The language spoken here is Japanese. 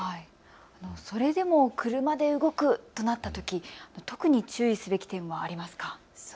それでも車で動くとなったとき、特に注意すべき点もありますか。